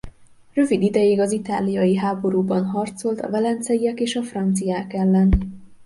Rövid ideig az itáliai háborúban harcolt a velenceiek és a franciák ellen.